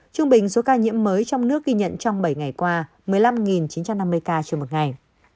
trung bình số ca nhiễm mới trong nước ghi nhận trong bảy ngày qua một mươi năm chín trăm năm mươi ca trên một ngày